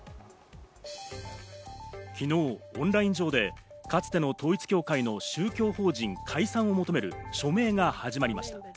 昨日、オンライン上でかつての統一教会の宗教法人解散を求める署名が始まりました。